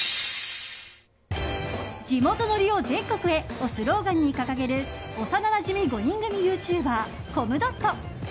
「地元ノリを全国へ」をスローガンに掲げる幼なじみ５人組ユーチューバーコムドット。